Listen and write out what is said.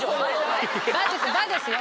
「婆」ですよ。